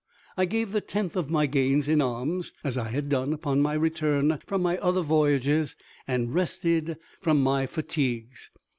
I gave the tenth of my gains in alms, as I had done upon my return from my other voyages, and rested from my fatigues.